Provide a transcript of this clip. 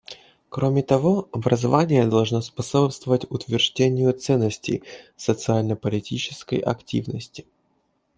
Кроме того, образование должно способствовать утверждению ценностей социально-политической активности.